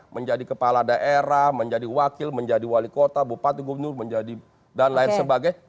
menjadi kepala daerah menjadi wakil menjadi wali kota bupati gubernur dan lain sebagainya